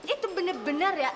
itu bener bener ya